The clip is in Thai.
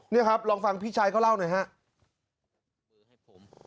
นี่ครับลองฟังพี่ชายเขาเล่าหน่อยครับ